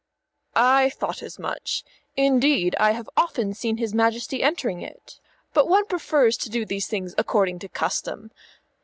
"I thought as much. Indeed I have often seen his Majesty entering it. But one prefers to do these things according to custom.